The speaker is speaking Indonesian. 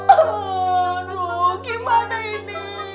aduh gimana ini